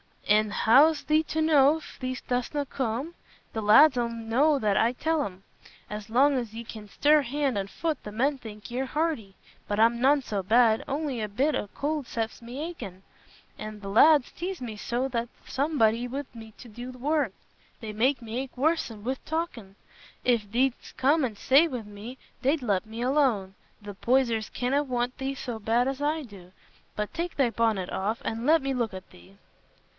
"An' how's thee t' know if thee dostna coom? Th' lads on'y know what I tell 'em. As long as ye can stir hand and foot the men think ye're hearty. But I'm none so bad, on'y a bit of a cold sets me achin'. An' th' lads tease me so t' ha' somebody wi' me t' do the work—they make me ache worse wi' talkin'. If thee'dst come and stay wi' me, they'd let me alone. The Poysers canna want thee so bad as I do. But take thy bonnet off, an' let me look at thee."